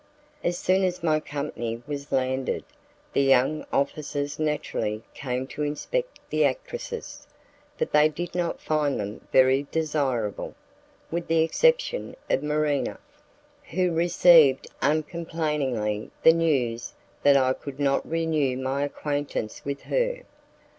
As soon as my company was landed, the young officers naturally came to inspect the actresses, but they did not find them very desirable, with the exception of Marina, who received uncomplainingly the news that I could not renew my acquaintance with her.